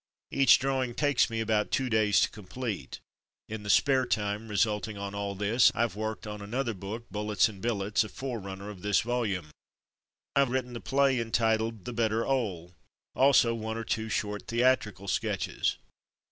Each drawing takes me about two days to com plete. In the ''spare" time resulting on all this I have worked on another book. Bullets and Billets — a forerunner of this volume. I have written the play entitled. The Better 'Ole^ also one or two short theatrical sketches.